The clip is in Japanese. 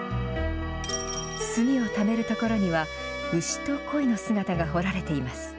墨をためる所には牛とこいの姿が彫られています。